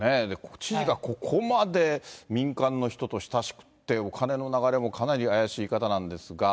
知事がここまで民間の人と親しくして、お金の流れもかなり怪しい方なんですが。